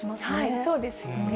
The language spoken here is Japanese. そうですよね。